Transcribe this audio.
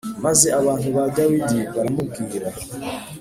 Maze abantu ba Dawidi baramubwira